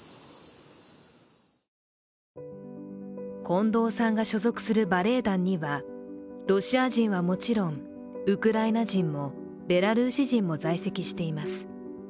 近藤さんが所属するバレエ団にはロシア人はもちろんウクライナ人もベラルーシ人も在籍しています。